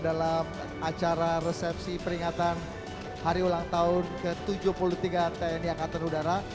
dalam acara resepsi peringatan hari ulang tahun ke tujuh puluh tiga tni angkatan udara